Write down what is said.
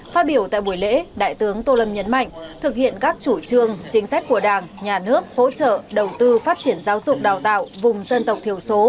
phát biểu tại buổi lễ đại tướng tô lâm nhấn mạnh thực hiện các chủ trương chính sách của đảng nhà nước hỗ trợ đầu tư phát triển giáo dục đào tạo vùng dân tộc thiểu số